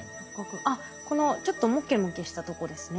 あっこのちょっとモケモケしたとこですね。